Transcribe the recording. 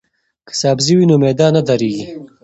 که سبزی وي نو معده نه دردیږي.